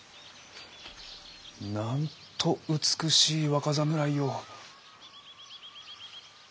なんと美しい若侍よ。